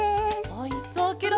おいしそうケロ。